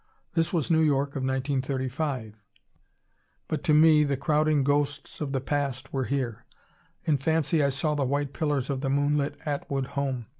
This was New York of 1935. But to me the crowding ghosts of the past were here. In fancy I saw the white pillars of the moonlit Atwood home.